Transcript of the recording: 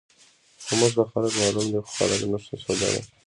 خو موږ ته خلک معلوم دي، خو خلک نه شو ښودلی.